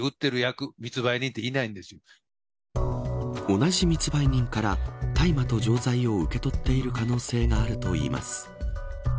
同じ密売人から大麻と錠剤を受け取っている可能性があるといいます。